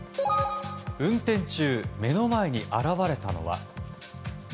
運転中、目の前に現れたのは。